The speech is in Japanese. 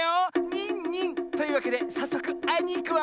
ニンニン！というわけでさっそくあいにいくわ。